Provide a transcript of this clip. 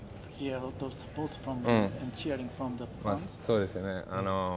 そうですよね。